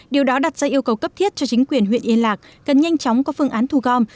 điều đó đặt ra yêu cầu cấp thiết cho chính quyền huyện yên lạc cần nhanh chóng có phương án thu gom